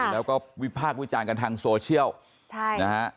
แล้วก็วิพากษ์วิจารณ์กันทางโซเชียลนะฮะ